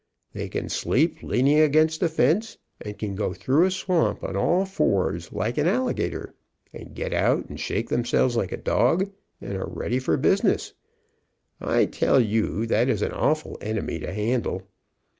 They can sleep leaning against a fence, and can go through a swamp on all THE OLD KICKER KICKS fours like an alligator, get out and shake themselves like a dog, and are ready for business. I tell you that is an awful enemy to handle.